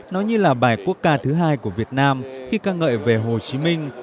nó như là bài quốc ca thứ hai của việt nam khi ca ngợi về hồ chí minh